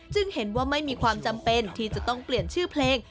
เห็นว่าไม่มีความจำเป็นที่จะต้องเปลี่ยนชื่อเพลง